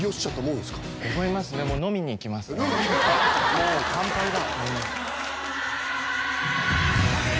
もう乾杯だ